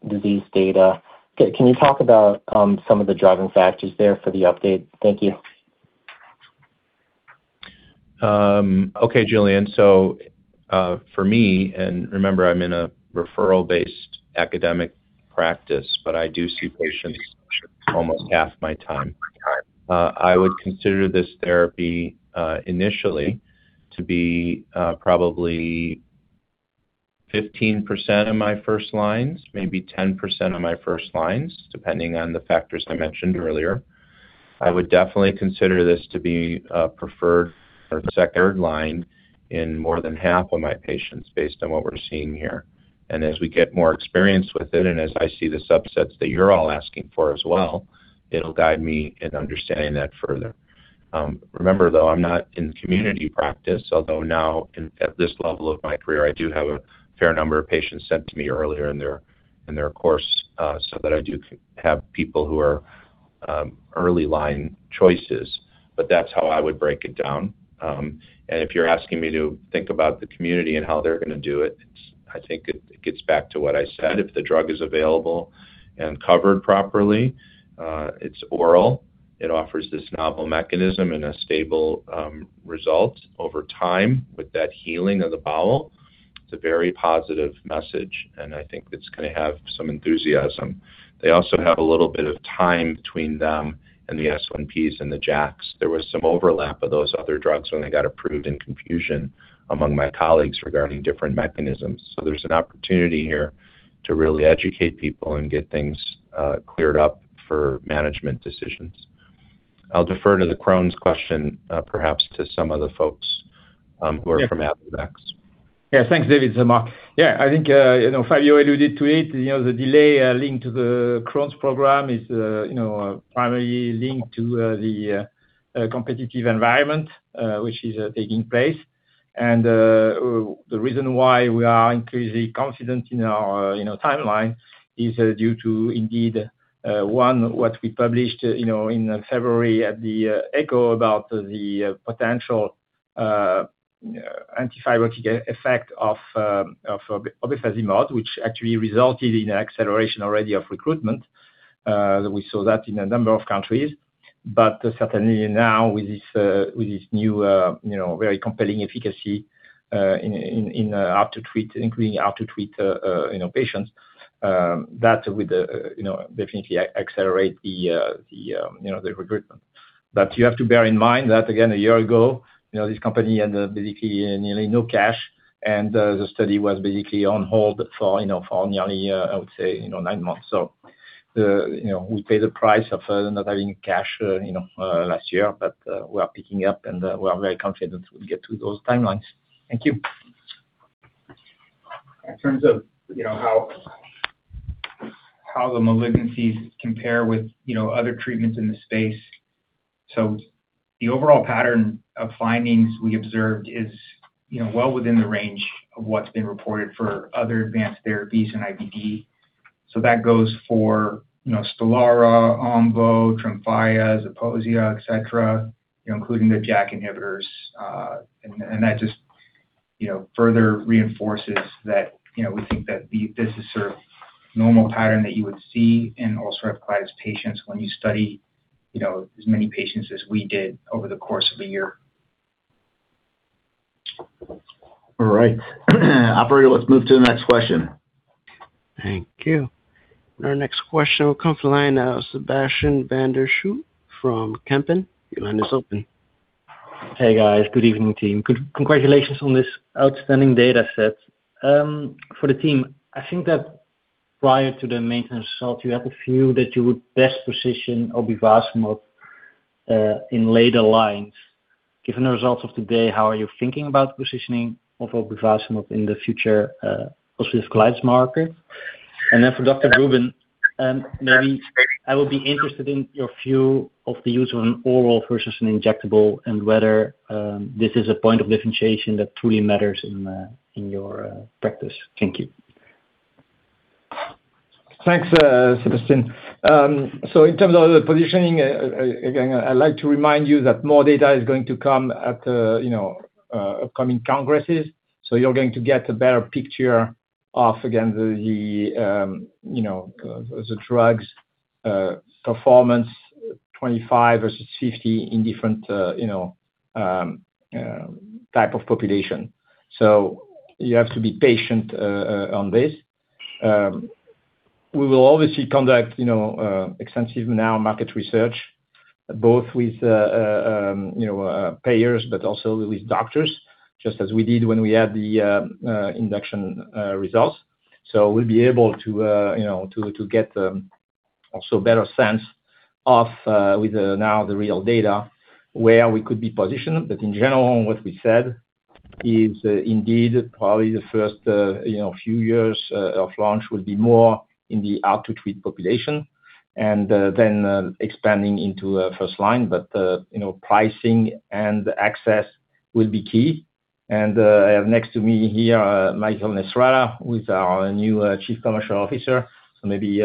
disease data, can you talk about some of the driving factors there for the update? Thank you. Okay, Julian. For me, and remember, I'm in a referral-based academic practice, but I do see patients almost half my time. I would consider this therapy, initially, to be probably 15% of my first lines, maybe 10% of my first lines, depending on the factors I mentioned earlier. I would definitely consider this to be a preferred or second-line in more than half of my patients based on what we're seeing here. As we get more experience with it, and as I see the subsets that you're all asking for as well, it'll guide me in understanding that further. Remember, though, I'm not in community practice, although now at this level of my career, I do have a fair number of patients sent to me earlier in their course, so that I do have people who are early line choices. That's how I would break it down. If you're asking me to think about the community and how they're going to do it, I think it gets back to what I said. If the drug is available and covered properly, it's oral. It offers this novel mechanism and a stable result over time with that healing of the bowel. It's a very positive message, and I think it's going to have some enthusiasm. They also have a little bit of time between them and the S1Ps and the JAKs. There was some overlap of those other drugs when they got approved in confusion among my colleagues regarding different mechanisms. There's an opportunity here to really educate people and get things cleared up for management decisions. I'll defer to the Crohn's question, perhaps to some of the folks who are from Abivax. Thanks, David. I think Fabio alluded to it. The delay linked to the Crohn's program is primarily linked to the competitive environment which is taking place. The reason why we are increasingly confident in our timeline is due to indeed, one, what we published in February at the ECCO about the potential anti-fibrotic effect of obefazimod, which actually resulted in an acceleration already of recruitment. We saw that in a number of countries. Certainly now with this new very compelling efficacy in including out-to-treat patients, that will definitely accelerate the recruitment. You have to bear in mind that, again, a year ago, this company had basically nearly no cash, and the study was basically on hold for nearly, I would say, nine months. We paid the price of not having cash last year. We are picking up, and we are very confident we'll get to those timelines. Thank you. In terms of how the malignancies compare with other treatments in the space. The overall pattern of findings we observed is well within the range of what's been reported for other advanced therapies in IBD. That goes for Stelara, Enbrel, TREMFYA, ZEPOSIA, etc., including the JAK inhibitors. That just further reinforces that we think that this is sort of normal pattern that you would see in ulcerative colitis patients when you study as many patients as we did over the course of a year. All right. Operator, let's move to the next question. Thank you. Our next question will come from the line of Sebastiaan van der Schoot from Kempen. Your line is open. Hey, guys. Good evening, team. Congratulations on this outstanding data set. For the team, I think that prior to the maintenance result, you had the view that you would best position obefazimod in later lines. Given the results of today, how are you thinking about positioning of obefazimod in the future ulcerative colitis market? Then for Dr. Rubin, maybe I would be interested in your view of the use of an oral versus an injectable and whether this is a point of differentiation that truly matters in your practice. Thank you. Thanks, Sebastiaan. In terms of the positioning, again, I'd like to remind you that more data is going to come at upcoming congresses. You're going to get a better picture of, again, the drug's performance, 25 mg versus 50 mg in different type of population. You have to be patient on this. We will obviously conduct extensive now market research, both with payers, but also with doctors, just as we did when we had the induction results. We'll be able to get also better sense of with now the real data where we could be positioned. In general, what we said is indeed probably the first few years of launch will be more in the out-to-treat population and then expanding into first line. Pricing and access will be key. I have next to me here Michael Nesrallah, who is our new Chief Commercial Officer. Maybe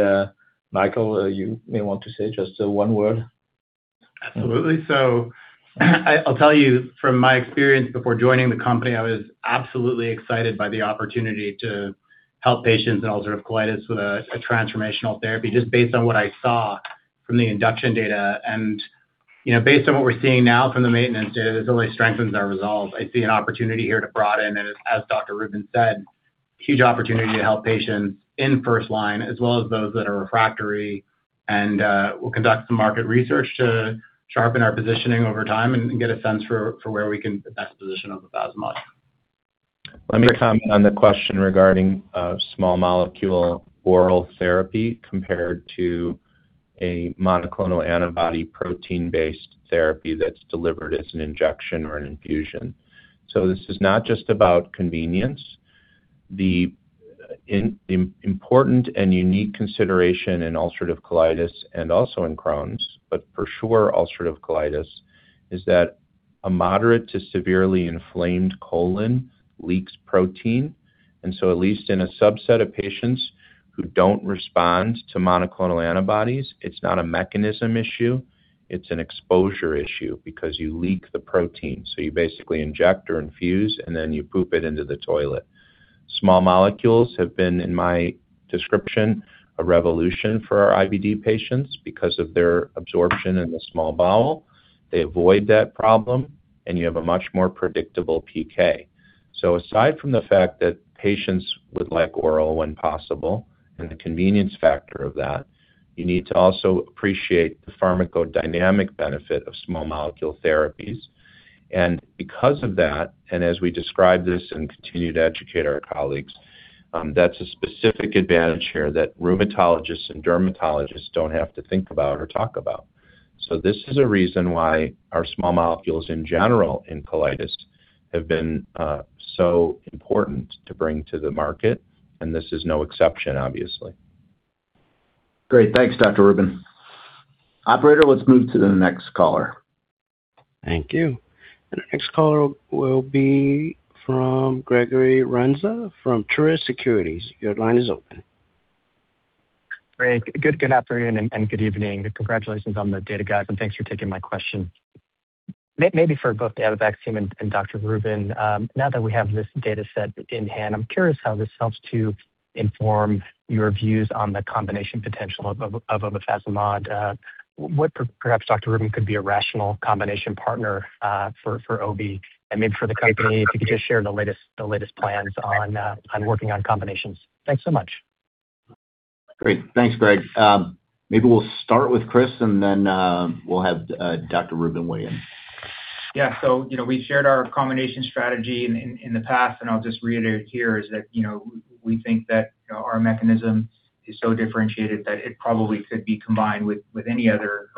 Michael, you may want to say just one word. Absolutely. I'll tell you from my experience before joining the company, I was absolutely excited by the opportunity to help patients in ulcerative colitis with a transformational therapy just based on what I saw from the induction data. Based on what we're seeing now from the maintenance data, this only strengthens our resolve. I see an opportunity here to broaden and as Dr. Rubin said, huge opportunity to help patients in first line as well as those that are refractory. We'll conduct some market research to sharpen our positioning over time and get a sense for where we can best position obefazimod. Let me comment on the question regarding small molecule oral therapy compared to a monoclonal antibody protein-based therapy that's delivered as an injection or an infusion. This is not just about convenience. The important and unique consideration in ulcerative colitis and also in Crohn's, but for sure ulcerative colitis, is that a moderate to severely inflamed colon leaks protein. At least in a subset of patients who don't respond to monoclonal antibodies, it's not a mechanism issue, it's an exposure issue because you leak the protein. You basically inject or infuse and then you poop it into the toilet. Small molecules have been, in my description, a revolution for our IBD patients because of their absorption in the small bowel. They avoid that problem, and you have a much more predictable PK. Aside from the fact that patients would like oral when possible and the convenience factor of that, you need to also appreciate the pharmacodynamic benefit of small molecule therapies. Because of that, and as we describe this and continue to educate our colleagues, that's a specific advantage here that rheumatologists and dermatologists don't have to think about or talk about. This is a reason why our small molecules in general in colitis have been so important to bring to the market, and this is no exception, obviously. Great. Thanks, Dr. Rubin. Operator, let's move to the next caller. Thank you. The next caller will be from Gregory Renza from Truist Securities. Great. Good afternoon and good evening. Congratulations on the data, guys, and thanks for taking my question. Maybe for both Abivax team and Dr. Rubin, now that we have this data set in hand, I'm curious how this helps to inform your views on the combination potential of obefazimod. What perhaps, Dr. Rubin, could be a rational combination partner for obefazimod and maybe for the company, if you could just share the latest plans on working on combinations. Thanks so much. Great. Thanks, Greg. Maybe we'll start with Chris and then we'll have Dr. Rubin weigh in. Yeah. We shared our combination strategy in the past, and I'll just reiterate here is that we think that our mechanism is so differentiated that it probably could be combined with any other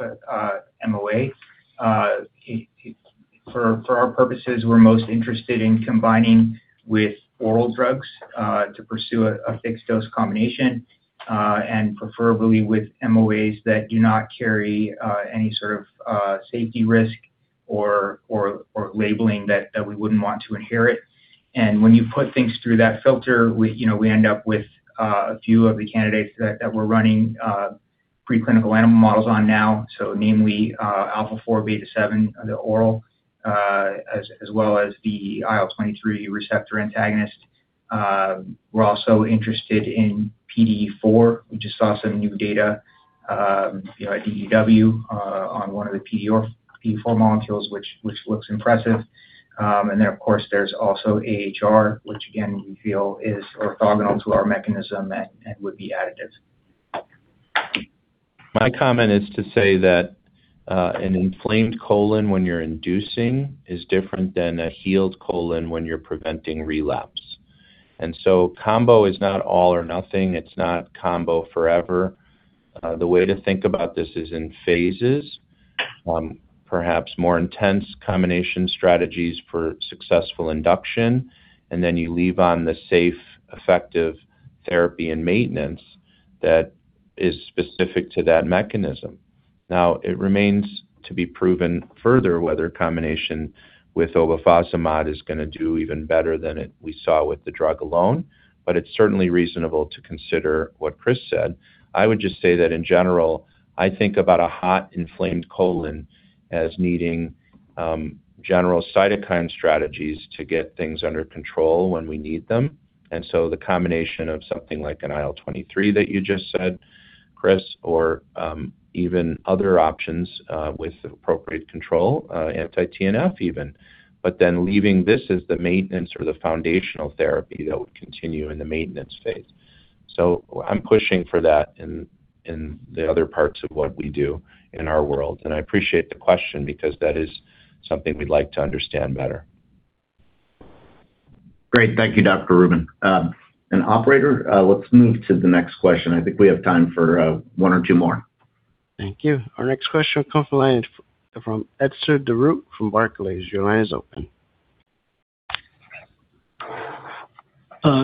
MOA. For our purposes, we're most interested in combining with oral drugs, to pursue a fixed-dose combination, and preferably with MOAs that do not carry any sort of safety risk or labeling that we wouldn't want to inherit. When you put things through that filter, we end up with a few of the candidates that we're running preclinical animal models on now. Namely, alpha-4/beta-7, the oral, as well as the IL-23 receptor antagonist. We're also interested in PDE4. We just saw some new data at DDW on one of the PDE4 molecules, which looks impressive. Of course, there's also AHR, which again, we feel is orthogonal to our mechanism and would be additive. My comment is to say that an inflamed colon when you're inducing is different than a healed colon when you're preventing relapse. Combo is not all or nothing. It's not combo forever. The way to think about this is in phases. Perhaps more intense combination strategies for successful induction, and then you leave on the safe, effective therapy and maintenance that is specific to that mechanism. It remains to be proven further whether combination with obefazimod is going to do even better than we saw with the drug alone. It's certainly reasonable to consider what Chris said. I would just say that in general, I think about a hot, inflamed colon as needing general cytokine strategies to get things under control when we need them. The combination of something like an IL-23 that you just said, Chris, or even other options with appropriate control, anti-TNF even. Leaving this as the maintenance or the foundational therapy that would continue in the maintenance phase. I'm pushing for that in the other parts of what we do in our world. I appreciate the question because that is something we'd like to understand better. Great. Thank you, Dr. Rubin. Operator, let's move to the next question. I think we have time for one or two more. Thank you. Our next question comes from Etzer Darout from Barclays. Your line is open.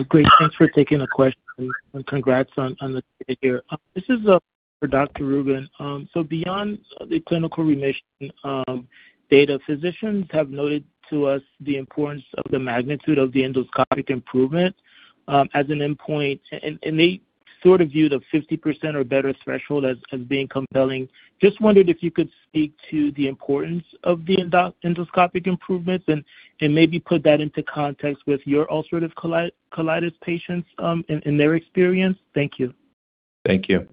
Great. Thanks for taking the question and congrats on the data here. This is for Dr. Rubin. Beyond the clinical remission data, physicians have noted to us the importance of the magnitude of the endoscopic improvement as an endpoint, and they sort of viewed a 50% or better threshold as being compelling. Just wondered if you could speak to the importance of the endoscopic improvements and maybe put that into context with your ulcerative colitis patients in their experience. Thank you. Thank you.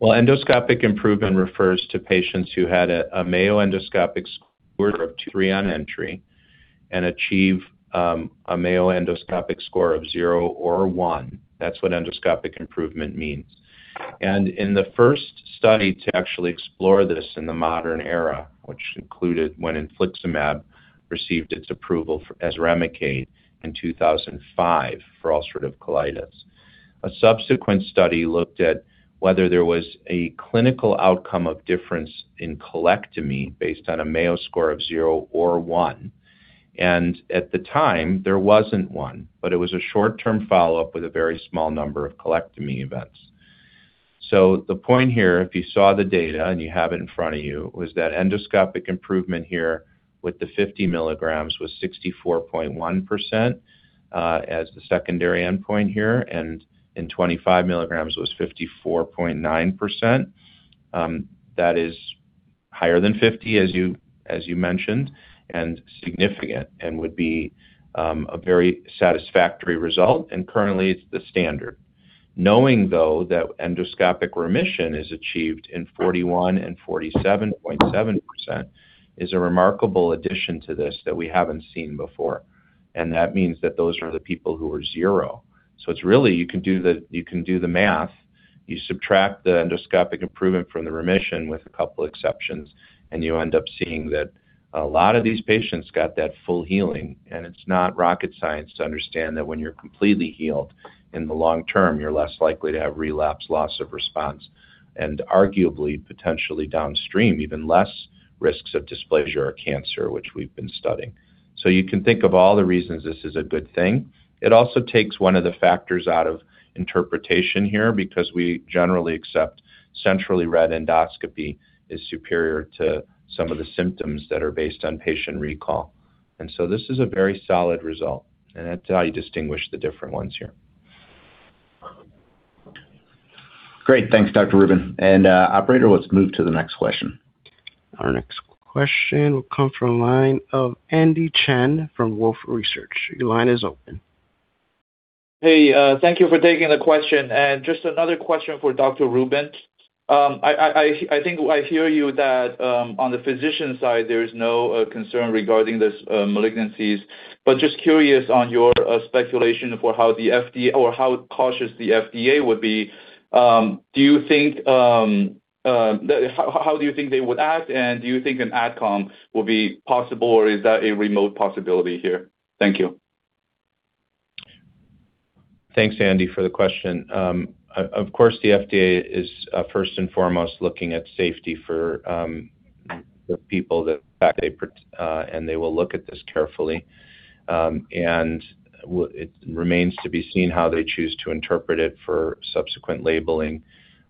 Well, endoscopic improvement refers to patients who had a Mayo endoscopic score of two or three on entry and achieve a Mayo endoscopic score of zero or one. That's what endoscopic improvement means. In the first study to actually explore this in the modern era, which included when infliximab received its approval as Remicade in 2005 for ulcerative colitis. A subsequent study looked at whether there was a clinical outcome of difference in colectomy based on a Mayo Score of zero or one. At the time, there wasn't one, but it was a short-term follow-up with a very small number of colectomy events. The point here, if you saw the data and you have it in front of you, was that endoscopic improvement here with the 50 mg was 64.1% as the secondary endpoint here, and in 25 mg was 54.9%. That is higher than 50 mg, as you mentioned, and significant and would be a very satisfactory result. Currently it's the standard. Knowing, though, that endoscopic remission is achieved in 41% and 47.7% is a remarkable addition to this that we haven't seen before. That means that those are the people who are zero. It's really, you can do the math. You subtract the endoscopic improvement from the remission with a couple exceptions, you end up seeing that a lot of these patients got that full healing. It's not rocket science to understand that when you're completely healed, in the long term, you're less likely to have relapse, loss of response, and arguably, potentially downstream, even less risks of dysplasia or cancer, which we've been studying. You can think of all the reasons this is a good thing. It also takes one of the factors out of interpretation here because we generally accept centrally read endoscopy is superior to some of the symptoms that are based on patient recall. This is a very solid result, and that's how you distinguish the different ones here. Great. Thanks, Dr. Rubin. Operator, let's move to the next question. Our next question will come from the line of Andy Chen from Wolfe Research. Your line is open. Hey, thank you for taking the question. Just another question for Dr. Rubin. I think I hear you that on the physician side, there is no concern regarding these malignancies. Just curious on your speculation for how cautious the FDA would be. How do you think they would act, and do you think an Advisory Committee will be possible, or is that a remote possibility here? Thank you. Thanks, Andy, for the question. Of course, the FDA is first and foremost looking at safety for the people that they protect, and they will look at this carefully. It remains to be seen how they choose to interpret it for subsequent labeling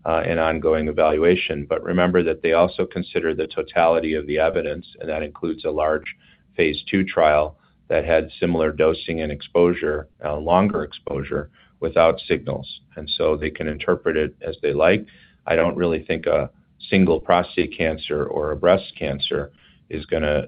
and ongoing evaluation. Remember that they also consider the totality of the evidence, and that includes a large phase II trial that had similar dosing and exposure, longer exposure, without signals. They can interpret it as they like. I don't really think a single prostate cancer or a breast cancer is going to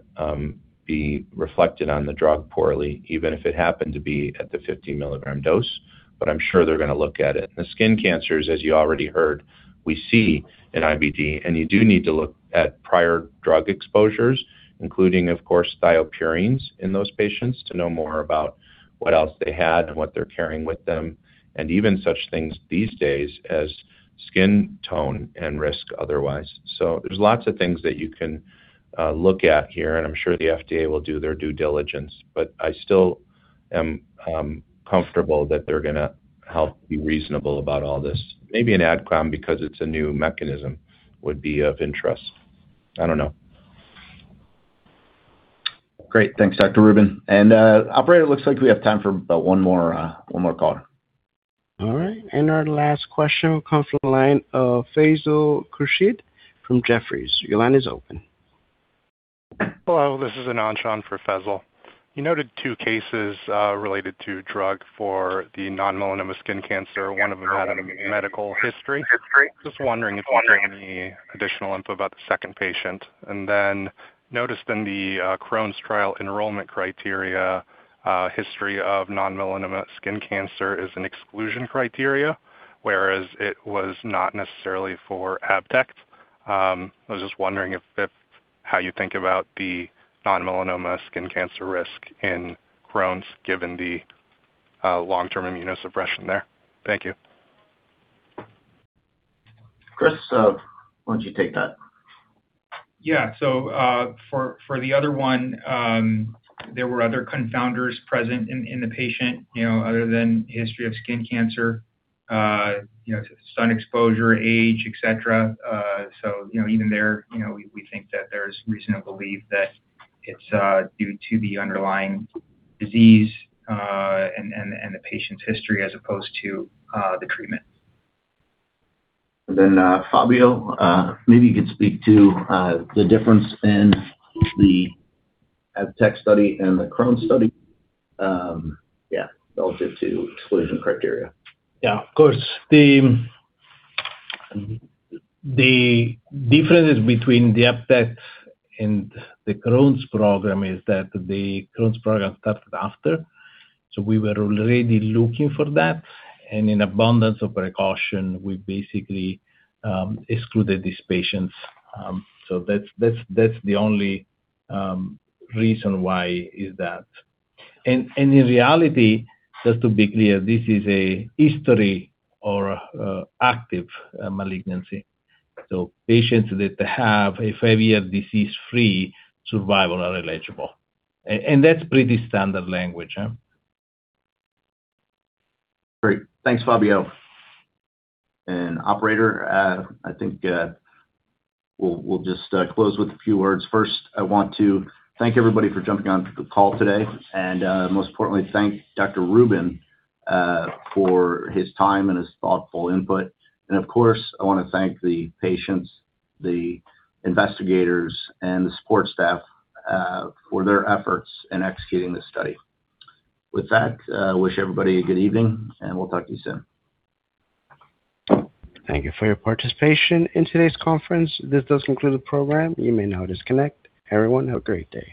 be reflected on the drug poorly, even if it happened to be at the 50 mg dose. I'm sure they're going to look at it. The skin cancers, as you already heard, we see in IBD, and you do need to look at prior drug exposures, including, of course, thiopurines in those patients to know more about what else they had and what they're carrying with them, and even such things these days as skin tone and risk otherwise. There's lots of things that you can look at here, and I'm sure the FDA will do their due diligence. I still am comfortable that they're going to help be reasonable about all this. Maybe an Advisory Committee because it's a new mechanism would be of interest. I don't know. Great. Thanks, Dr. Rubin. Operator, it looks like we have time for about one more caller. All right. Our last question will come from the line of Faisal Khurshid from Jefferies. Your line is open. Hello, this is Anand Chand for Faisal. You noted two cases related to drug for the non-melanoma skin cancer. One of them had a medical history. Just wondering if you have any additional info about the second patient. Noticed in the Crohn's trial enrollment criteria, history of non-melanoma skin cancer is an exclusion criteria, whereas it was not necessarily for ABTECT. I was just wondering how you think about the non-melanoma skin cancer risk in Crohn's given the long-term immunosuppression there. Thank you. Chris, why don't you take that? For the other one, there were other confounders present in the patient other than history of skin cancer. Sun exposure, age, et cetera. Even there, we think that there's reasonable belief that it's due to the underlying disease and the patient's history as opposed to the treatment. Fabio, maybe you could speak to the difference in the ABTECT study and the Crohn's study. Yeah. Relative to exclusion criteria. Yeah, of course. The differences between the ABTECT and the Crohn's program is that the Crohn's program started after. We were already looking for that. In abundance of precaution, we basically excluded these patients. That's the only reason why is that. In reality, just to be clear, this is a history or active malignancy. Patients that have a five-year disease-free survival are eligible. That's pretty standard language. Great. Thanks, Fabio. Operator, I think we'll just close with a few words. First, I want to thank everybody for jumping on the call today. Most importantly, I want to thank Dr. Rubin for his time and his thoughtful input. Of course, I want to thank the patients, the investigators, and the support staff for their efforts in executing this study. With that, I wish everybody a good evening, and we'll talk to you soon. Thank you for your participation in today's conference. This does conclude the program. You may now disconnect. Everyone, have a great day